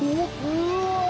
うわ！